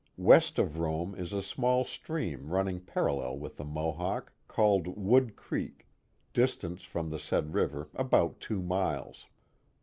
West of Rome is a small stream run ning parallel with the Mohawk called Wood Creek, distant from the said river about two miles.